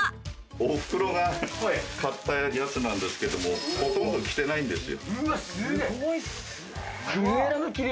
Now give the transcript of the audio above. お袋が買ったやつなんですけれども、ほとんど着てないんですよ。